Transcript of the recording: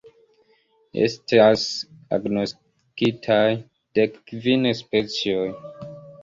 Estas agnoskitaj dekkvin specioj.